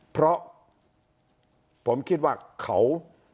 เพราะผมคิดว่าเขา